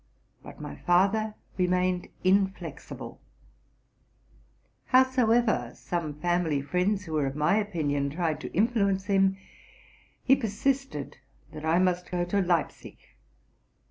But my father remained inflexible. Howsoever some family friends, who were of my opinion, tried to influence him, he persisted that I must go to Leipzig.